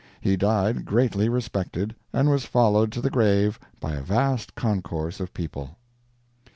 He died greatly respected, and was followed to the grave by a vast concourse of people.